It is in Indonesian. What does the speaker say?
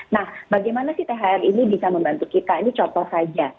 nah bagaimana sih thr ini bisa membantu kita ini contoh saja